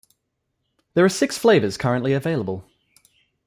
There are six flavors currently available.